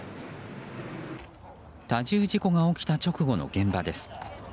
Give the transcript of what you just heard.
多重事故が起きた直後の現場です。